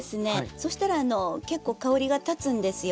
そしたら結構香りがたつんですよ。